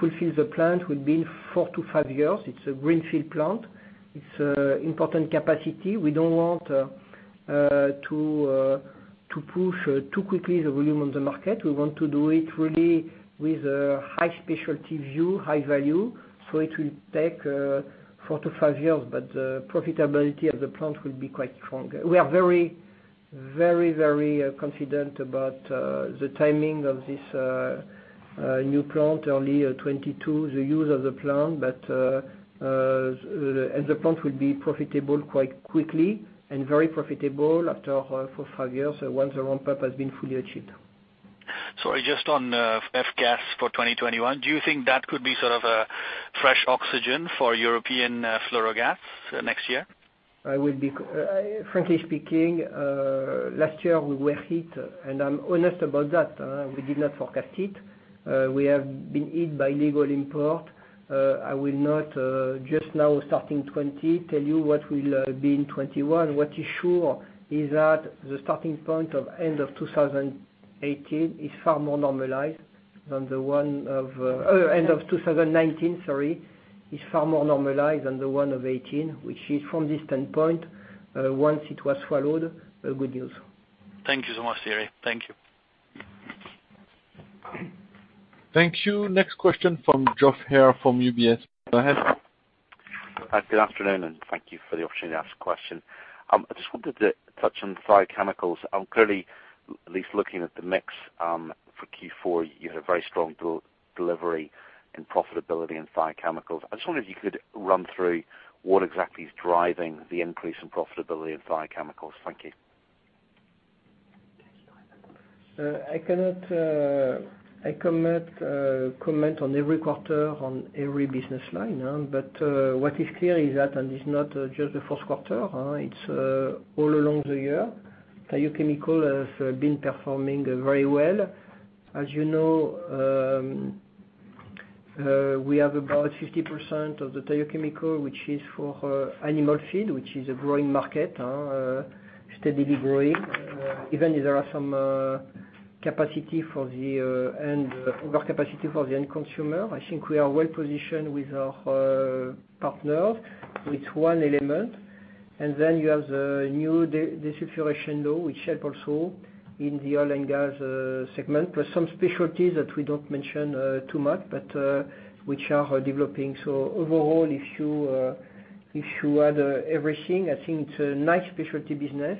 fulfill the plant will be four to five years. It's a greenfield plant. It's important capacity. We don't want to push too quickly the volume on the market. We want to do it really with a high specialty view, high value, so it will take four to five years, but profitability of the plant will be quite strong. We are very confident about the timing of this new plant, early 2022, the use of the plant, and the plant will be profitable quite quickly and very profitable after four, five years once the ramp-up has been fully achieved.
Sorry, just on F-gas for 2021, do you think that could be sort of a fresh oxygen for European fluorogas next year?
Frankly speaking, last year we were hit, and I'm honest about that. We did not forecast it. We have been hit by legal import. I will not just now starting 2020 tell you what will be in 2021. What is sure is that the starting point of end of 2018 is far more normalized than the one of end of 2019, sorry, is far more normalized than the one of 2018, which is from this standpoint, once it was swallowed, good news.
Thank you so much, Thierry. Thank you.
Thank you. Next question from Geoff Haire from UBS. Go ahead.
Good afternoon. Thank you for the opportunity to ask a question. I just wanted to touch on Thiochemicals. Clearly, at least looking at the mix for Q4, you had a very strong delivery in profitability in biochemicals. I just wonder if you could run through what exactly is driving the increase in profitability of biochemicals. Thank you.
I cannot comment on every quarter on every business line. What is clear is that, and it's not just the first quarter, it's all along the year, Thiochemicals has been performing very well. As you know, we have about 50% of the Thiochemicals, which is for animal feed, which is a growing market, steadily growing. Even if there are some over capacity for the end consumer, I think we are well-positioned with our partners with one element. Then you have the new desulfurization, though, which help also in the oil and gas segment. Plus some specialties that we don't mention too much, but which are developing. Overall, if you add everything, I think it's a nice specialty business,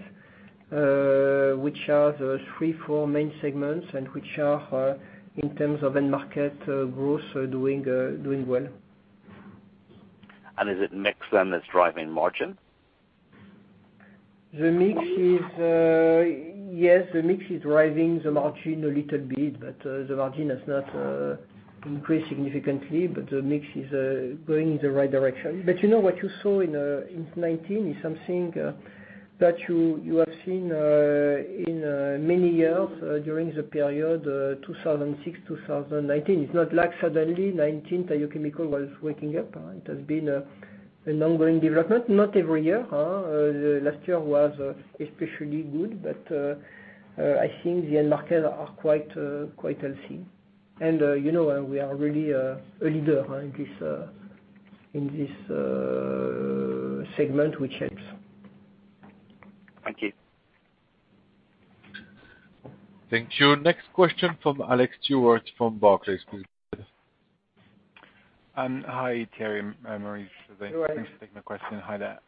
which are the three, four main segments, and which are, in terms of end market growth, doing well.
Is it mix, then, that's driving margin?
Yes, the mix is driving the margin a little bit, but the margin has not increased significantly. The mix is going in the right direction. You know, what you saw in 2019 is something that you have seen in many years during the period 2006, 2019. It's not like suddenly 2019, Thiochemicals was waking up. It has been an ongoing development. Not every year. Last year was especially good. I think the end markets are quite healthy. We are really a leader in this segment, which helps.
Thank you.
Thank you. Next question from Alex Stewart from Barclays, please go ahead.
Hi, Thierry, Marie.
Hello, Alex.
Thanks for taking my question. Hi there.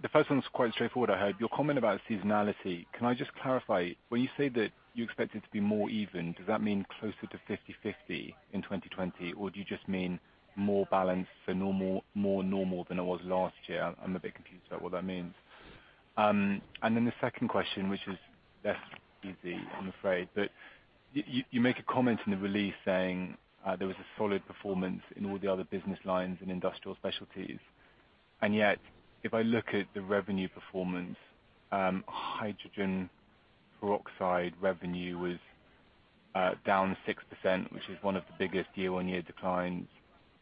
The first one was quite straightforward, I hope. Your comment about seasonality, can I just clarify, when you say that you expect it to be more even, does that mean closer to 50/50 in 2020, or do you just mean more balanced, so more normal than it was last year? I'm a bit confused about what that means. The second question, which is less easy, I'm afraid, you make a comment in the release saying there was a solid performance in all the other business lines in Industrial Specialties. If I look at the revenue performance, hydrogen peroxide revenue was down 6%, which is one of the biggest year-on-year declines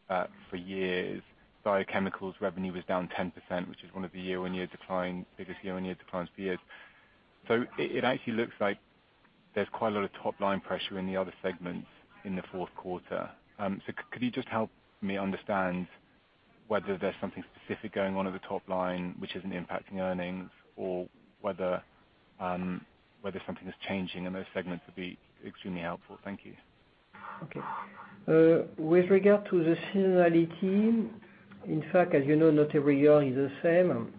for years. Biochemicals revenue was down 10%, which is one of the biggest year-on-year declines for years. It actually looks like there's quite a lot of top-line pressure in the other segments in the fourth quarter. Could you just help me understand whether there's something specific going on at the top line, which isn't impacting earnings or whether something is changing in those segments would be extremely helpful? Thank you.
Okay. With regard to the seasonality, in fact, as you know, not every year is the same.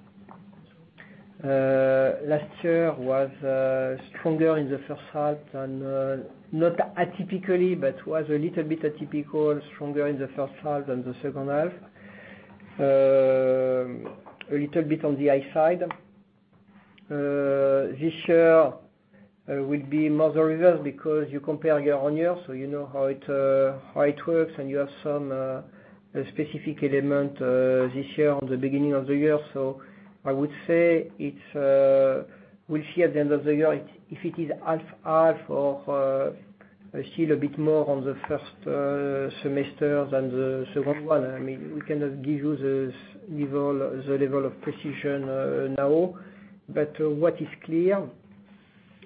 Last year was stronger in the first half, and not atypically, but was a little bit atypical, stronger in the first half than the second half. A little bit on the high side. This year will be more the reverse because you compare year-on-year, so you know how it works, and you have some specific element this year on the beginning of the year. I would say, we'll see at the end of the year if it is half-half or still a bit more on the first semester than the second one. We cannot give you the level of precision now. What is clear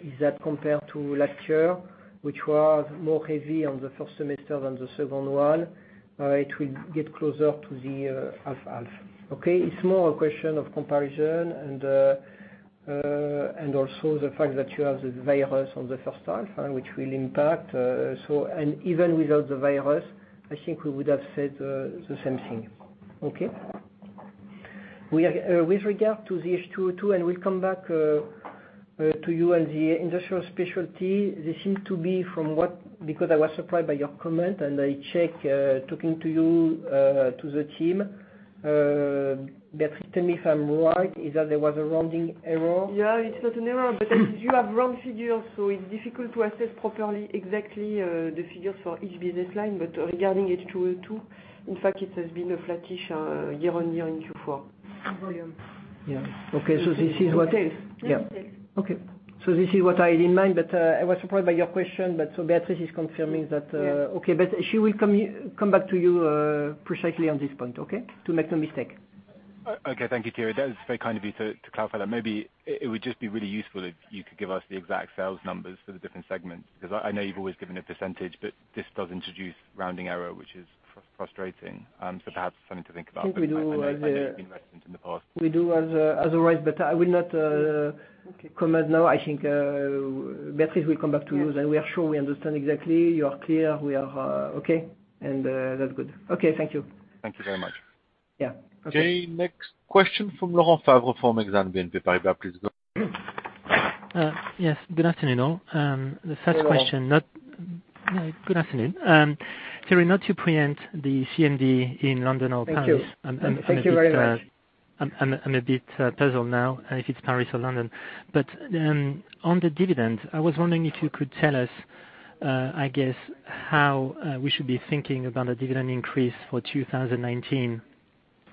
is that compared to last year, which was more heavy on the first semester than the second one, it will get closer to the half-half. Okay. It's more a question of comparison and also the fact that you have the virus on the first half, which will impact. Even without the virus, I think we would have said the same thing. Okay? With regard to the H2O2, and we'll come back to you on the Industrial Specialties, because I was surprised by your comment, and I check, talking to you, to the team. Béatrice, tell me if I'm right, is that there was a rounding error?
Yeah, it's not an error, but you have wrong figures, so it's difficult to assess properly exactly the figures for each business line. Regarding H2O2, in fact, it has been a flattish year-on-year in Q4.
Yeah. Okay, so this is.
It is. Yeah. Okay.
This is what I had in mind, but I was surprised by your question. Béatrice is confirming that.
Yeah.
Okay, she will come back to you precisely on this point, okay. To make no mistake.
Okay. Thank you, Thierry. That is very kind of you to clarify that. Maybe it would just be really useful if you could give us the exact sales numbers for the different segments, because I know you've always given a percentage, but this does introduce rounding error, which is frustrating. Perhaps something to think about.
I think we do.
I know you've been reticent in the past.
We do otherwise, but I will not comment now. I think Béatrice will come back to you. We are sure we understand exactly, you are clear, we are okay, and that's good. Okay, thank you.
Thank you very much.
Yeah. Okay. Okay, next question from Laurent Favre from Exane BNP Paribas. Please go ahead.
Yes. Good afternoon, all.
Good afternoon.
Good afternoon. Thierry, not to pre-empt the CMD in London or Paris.
Thank you very much.
I'm a bit puzzled now if it's Paris or London. On the dividend, I was wondering if you could tell us, I guess, how we should be thinking about a dividend increase for 2019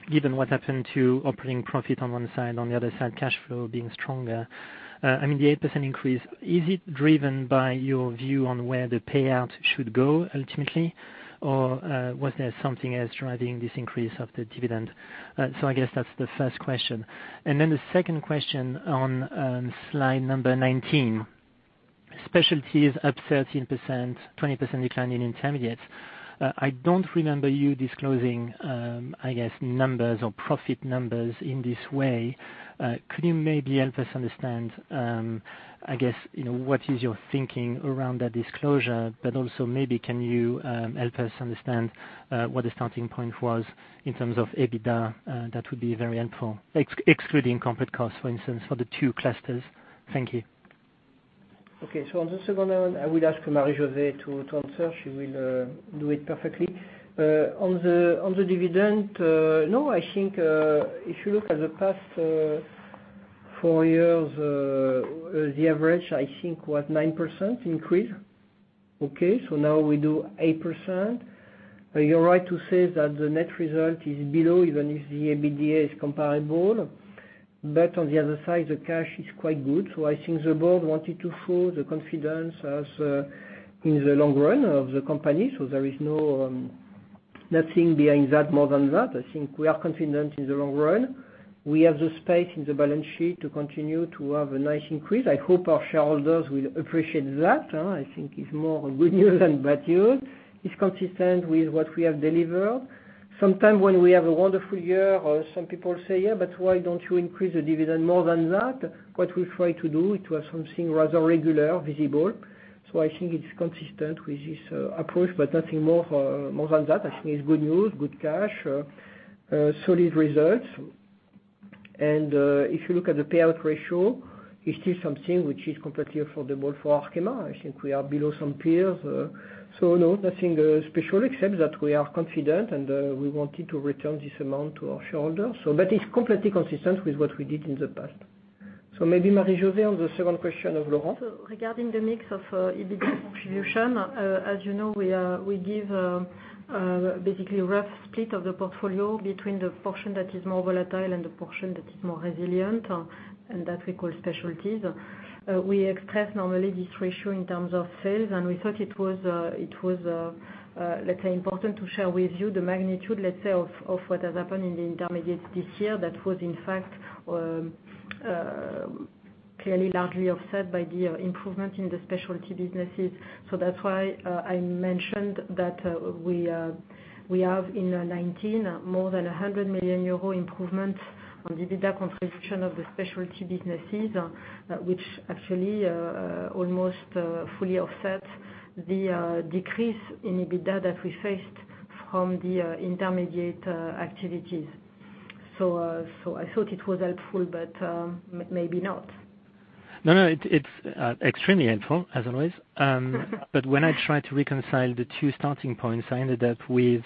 given what happened to operating profit on one side, on the other side, cash flow being stronger. I mean, the 8% increase, is it driven by your view on where the payout should go ultimately, or was there something else driving this increase of the dividend? I guess that's the first question. The second question on slide number 19. Specialty is up 13%, 20% decline in intermediate. I don't remember you disclosing, I guess, numbers or profit numbers in this way. Could you maybe help us understand, I guess, what is your thinking around that disclosure, also maybe can you help us understand, what the starting point was in terms of EBITDA? That would be very helpful. Excluding conflict costs, for instance, for the two clusters. Thank you.
On the second one, I would ask Marie-José to answer. She will do it perfectly. On the dividend, if you look at the past four years, the average was 9% increase. Now we do 8%. You're right to say that the net result is below, even if the EBITDA is comparable. On the other side, the cash is quite good. The board wanted to show the confidence as in the long run of the company. There is nothing behind that more than that. We are confident in the long run. We have the space in the balance sheet to continue to have a nice increase. I hope our shareholders will appreciate that. It's more good news than bad news. It's consistent with what we have delivered. Sometimes when we have a wonderful year, some people say, "Yeah, but why don't you increase the dividend more than that?" What we try to do, it was something rather regular, visible. I think it's consistent with this approach, nothing more than that. I think it's good news, good cash, solid results. If you look at the payout ratio, it's still something which is completely affordable for Arkema. I think we are below some peers. No, nothing special except that we are confident and we wanted to return this amount to our shareholders. That is completely consistent with what we did in the past. Maybe Marie-José on the second question of Laurent.
Regarding the mix of EBITDA contribution, as you know, we give basically a rough split of the portfolio between the portion that is more volatile and the portion that is more resilient, and that we call specialties. We express normally this ratio in terms of sales, we thought it was, let's say, important to share with you the magnitude, let's say, of what has happened in the intermediates this year. That was in fact, clearly largely offset by the improvement in the specialty businesses. That's why I mentioned that we have in 2019 more than 100 million euro improvement on the EBITDA contribution of the specialty businesses, which actually, almost fully offset the decrease in EBITDA that we faced from the intermediate activities. I thought it was helpful, but maybe not.
No, no, it's extremely helpful as always. When I try to reconcile the two starting points, I ended up with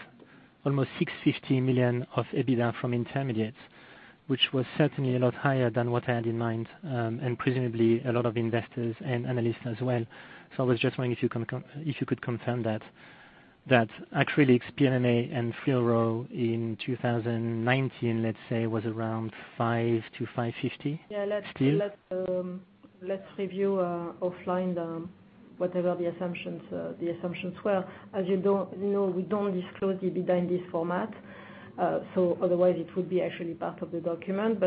almost 650 million of EBITDA from intermediates, which was certainly a lot higher than what I had in mind, and presumably a lot of investors and analysts as well. I was just wondering if you could confirm that, actually, ExperiMay and Fluorogases in 2019, let's say, was around 5 million-550 million still?
Let's review offline whatever the assumptions were. As you know, we don't disclose the EBITDA in this format. Otherwise, it would be actually part of the document.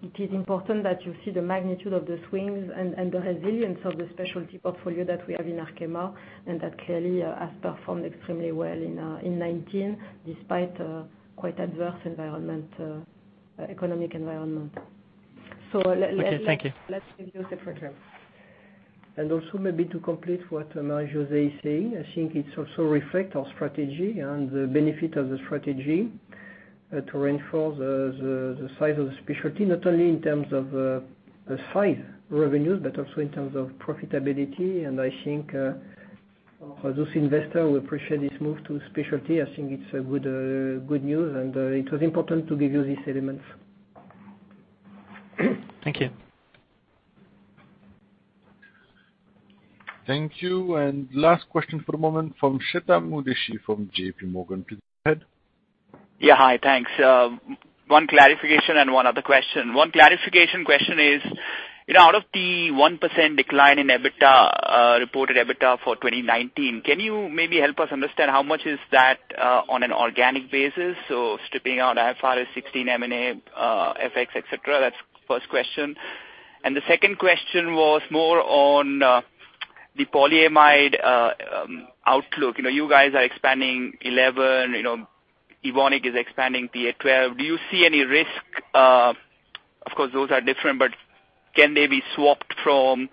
It is important that you see the magnitude of the swings and the resilience of the specialty portfolio that we have in Arkema, and that clearly has performed extremely well in 2019, despite quite adverse economic environment.
Okay. Thank you.
Let's review separately.
Also maybe to complete what Marie-José is saying, I think it also reflects our strategy and the benefit of the strategy, to reinforce the size of the specialty, not only in terms of the size revenues, but also in terms of profitability. I think, for those investors who appreciate this move to specialty, I think it's good news, and it was important to give you these elements.
Thank you.
Thank you. Last question for the moment from Chetan Udeshi from JPMorgan. Please go ahead.
Yeah. Hi. Thanks. One clarification and one other question. One clarification question is, out of the 1% decline in reported EBITDA for 2019, can you maybe help us understand how much is that on an organic basis? Stripping out IFRS 16, M&A, FX, et cetera. That's first question. The second question was more on the polyamide outlook. You guys are expanding 11, Evonik is expanding PA12. Do you see any risk. Of course those are different, but can they be swapped from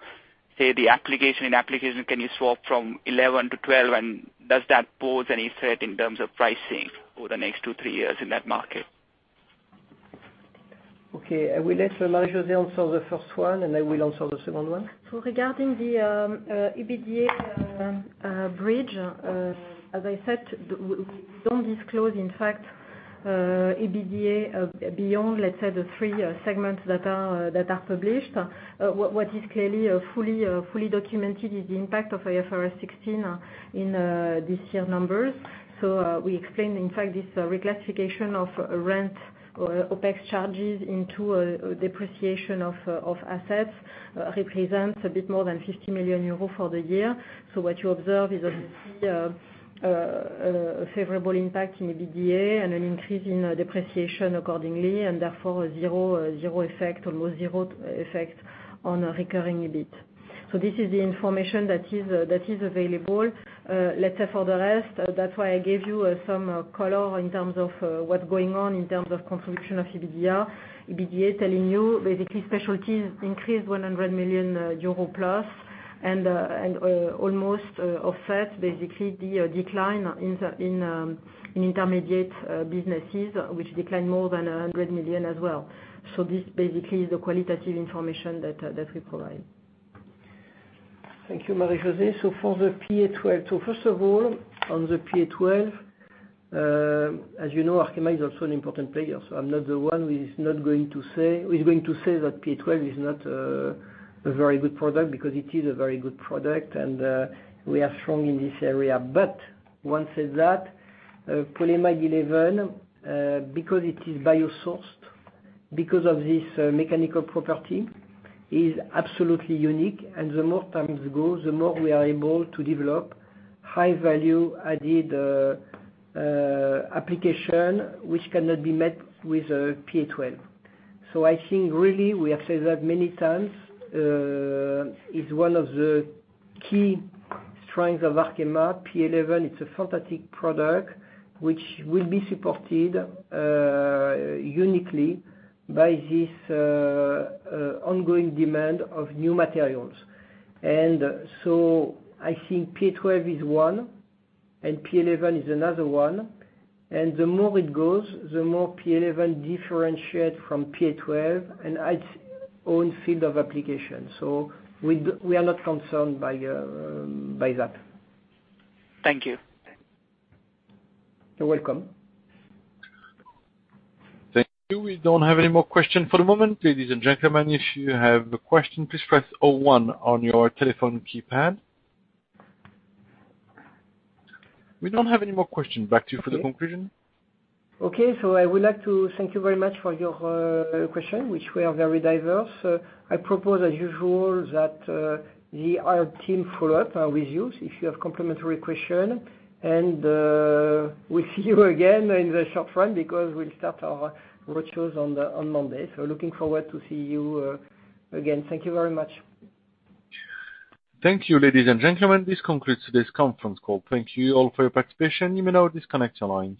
in application, can you swap from 11-12, and does that pose any threat in terms of pricing over the next two, three years in that market?
Okay, I will let Marie-José answer the first one, and I will answer the second one.
Regarding the EBITDA bridge, as I said, we don't disclose, in fact, EBITDA beyond, let's say, the three segments that are published. What is clearly fully documented is the impact of IFRS 16 in this year's numbers. We explained, in fact, this reclassification of rent or OPEX charges into a depreciation of assets represents a bit more than 50 million euros for the year. What you observe is obviously a favorable impact in EBITDA and an increase in depreciation accordingly, and therefore almost zero effect on recurring EBIT. This is the information that is available. Let's say for the rest, that's why I gave you some color in terms of what's going on, in terms of contribution of EBITDA. EBITDA telling you basically specialties increased 100 million euro plus and almost offset basically the decline in intermediate businesses, which declined more than 100 million as well. This basically is the qualitative information that we provide.
Thank you, Marie-José. For the PA12. First of all, on the PA12, as you know, Arkema is also an important player. I'm not the one who is going to say that PA12 is not a very good product, because it is a very good product and we are strong in this area. Once said that, Polyamide 11, because it is bio-sourced, because of this mechanical property, is absolutely unique. The more time goes, the more we are able to develop high value-added application, which cannot be met with PA12. I think really we have said that many times, it's one of the key strengths of Arkema. PA11, it's a fantastic product which will be supported uniquely by this ongoing demand of new materials. I think PA12 is one and PA11 is another one. The more it goes, the more PA11 differentiates from PA12 and adds own field of application. We are not concerned by that.
Thank you.
You're welcome.
Thank you. We don't have any more questions for the moment. Ladies and gentlemen, if you have a question, please press zero one on your telephone keypad. We don't have any more questions. Back to you for the conclusion.
Okay. I would like to thank you very much for your questions, which were very diverse. I propose, as usual, that our team follow up with you if you have complementary questions. We'll see you again in the short run because we'll start our road shows on Monday. Looking forward to see you again. Thank you very much.
Thank you, ladies and gentlemen. This concludes today's conference call. Thank you all for your participation. You may now disconnect your line.